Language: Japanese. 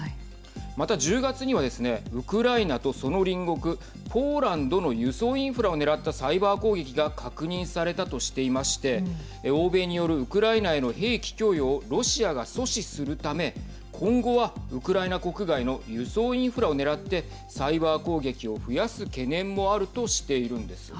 また１０月にはですねウクライナとその隣国ポーランドの輸送インフラを狙ったサイバー攻撃が確認されたとしていまして欧米によるウクライナへの兵器供与をロシアが阻止するため今後はウクライナ国外の輸送インフラを狙ってサイバー攻撃を増やす懸念もあるとしているんです。